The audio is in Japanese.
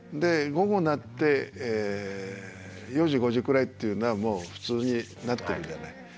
午後になって４時５時くらいっていうのはもう普通になってるじゃない。